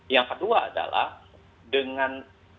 yang kedua adalah dengan